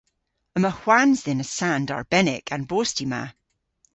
Yma hwans dhyn a sand arbennik a'n bosti ma.